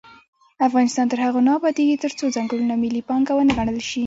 افغانستان تر هغو نه ابادیږي، ترڅو ځنګلونه ملي پانګه ونه ګڼل شي.